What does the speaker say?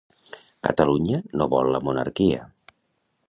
Catalunya no vol la monarquia.